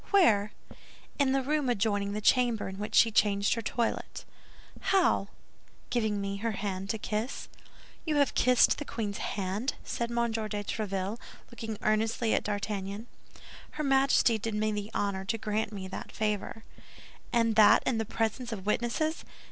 "Where?" "In the room adjoining the chamber in which she changed her toilet." "How?" "Giving me her hand to kiss." "You have kissed the queen's hand?" said M. de Tréville, looking earnestly at D'Artagnan. "Her Majesty did me the honor to grant me that favor." "And that in the presence of witnesses!